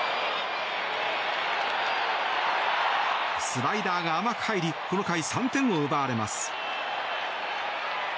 スライダーが甘く入りこの回３点を奪われます。